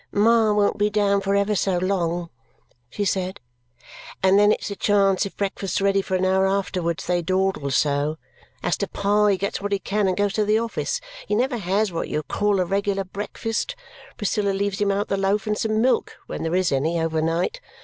"Ma won't be down for ever so long," she said, "and then it's a chance if breakfast's ready for an hour afterwards, they dawdle so. As to Pa, he gets what he can and goes to the office. He never has what you would call a regular breakfast. Priscilla leaves him out the loaf and some milk, when there is any, overnight.